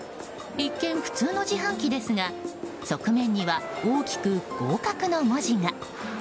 一見、普通の自販機ですが側面には大きく「ごうかく」の文字が。